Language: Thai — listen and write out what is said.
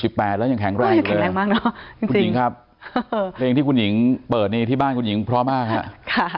ศูนย์๑๘แล้วยังแข็งแรงที่เลยคุณหญิงครับเรย์งที่คุณหญิงเปิดที่บ้านคุณหญิงพร้อมมากค่ะ